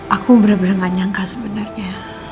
aku bener bener gak nyangka sebenernya